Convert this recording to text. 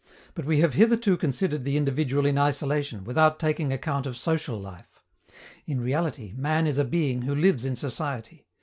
But we have hitherto considered the individual in isolation, without taking account of social life. In reality, man is a being who lives in society.